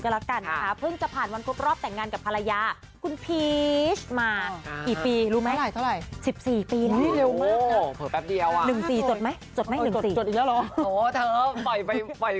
ครุ่นพีชมากี้ปี๑๕ปี